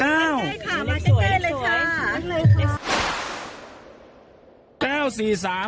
๙ค่ะมาใกล้เลยค่ะ